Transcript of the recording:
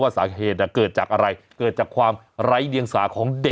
สาเหตุเกิดจากอะไรเกิดจากความไร้เดียงสาของเด็ก